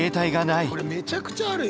これめちゃくちゃあるよ。